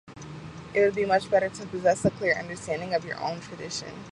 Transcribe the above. It would be much better to possess a clear understanding of your own tradition.